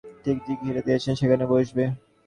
চিক দিয়ে ঘিরে দিয়েছে, সেইখেনে বসবে?